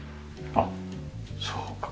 あっそうか。